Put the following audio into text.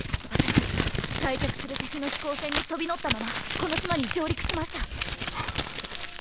私たちは退却する敵の飛行船に飛び乗ったままこの島に上陸しました！